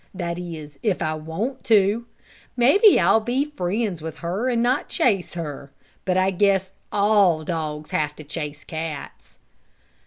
"That is if I want to. Maybe I'll be friends with her and not chase her. But I guess all dogs have to chase cats."